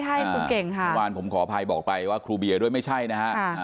ทางวันผมขออภัยบอกไปว่าครูเบียด้วยไม่ใช่นะครับ